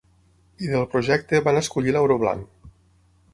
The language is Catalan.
I del projecte van escollir l’auró blanc.